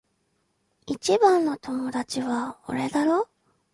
一番の友達は俺だろ？